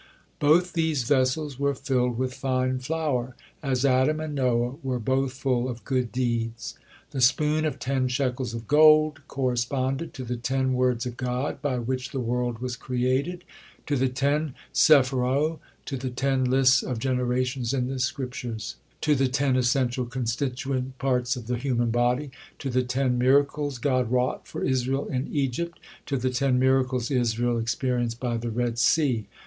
Both these vessels were filled with fine flour, as Adam and Noah were both full of good deeds. The spoon "of ten shekels of gold" corresponded to the ten words of God by which the world was created, to the ten Sefirot, to the ten lists of generations in the Scriptures, to the ten essential constituent parts of the human body, to the ten miracles God wrought for Israel in Egypt, to the ten miracles Israel experienced by the Red Sea.